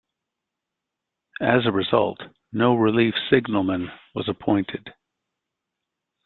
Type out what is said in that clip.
As a result, no relief signalman was appointed.